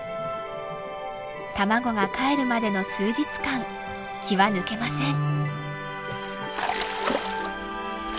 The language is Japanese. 卵がかえるまでの数日間気は抜けません。